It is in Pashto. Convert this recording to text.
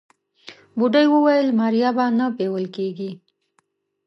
بوډۍ وويل ماريا به نه بيول کيږي.